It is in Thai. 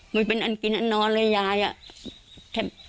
ไม่เป็นอันกินนอนเลยยายอะ